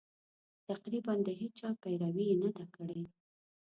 تقریباً د هېچا پیروي یې نه ده کړې.